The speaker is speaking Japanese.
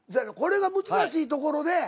これが難しいところで。